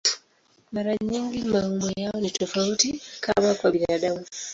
Mara nyingi maumbo yao ni tofauti, kama kwa binadamu.